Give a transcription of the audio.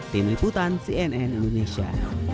tim liputan cnn indonesia